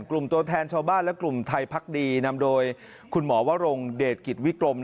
ตัวแทนชาวบ้านและกลุ่มไทยพักดีนำโดยคุณหมอวรงเดชกิจวิกรม